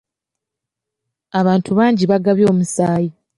Abantu bangi baagabye omusaayi.